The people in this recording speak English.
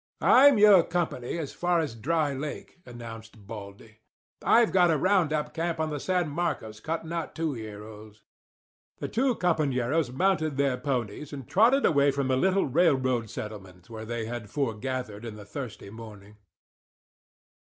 "I'm your company as far as Dry Lake," announced Baldy. "I've got a round up camp on the San Marcos cuttin' out two year olds." The two compañeros mounted their ponies and trotted away from the little railroad settlement, where they had foregathered in the thirsty morning.